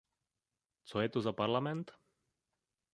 Co je to za Parlament?